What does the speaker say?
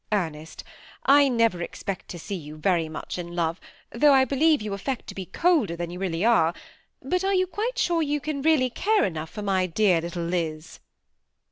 Ernest, I never expect to see you very much in love, though I believe you affect to be colder than you really are ; but are you quite sure you really care enough for my good little Liz ?